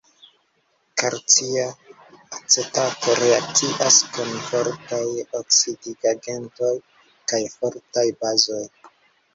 Kalcia acetato reakcias kun fortaj oksidigagentoj kaj fortaj bazoj.